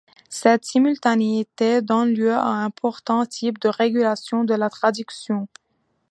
Cette simultanéité donne lieu à un important type de régulation de la traduction.